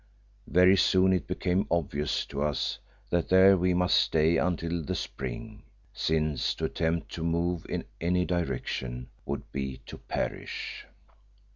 Very soon it became obvious to us that here we must stay until the spring, since to attempt to move in any direction would be to perish.